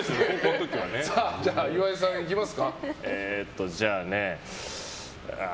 じゃあ、岩井さんいきますか。